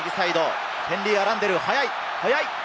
ヘンリー・アランデル、速い、速い！